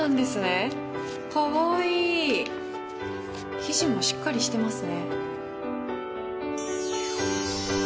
生地もしっかりしてますね。